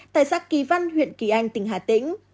tại xã kỳ văn huyện kỳ anh tỉnh hà tĩnh